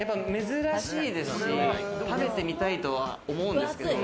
珍しいですし、食べてみたいとは思うんですけど。